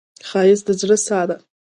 ښایست د زړه ساه ده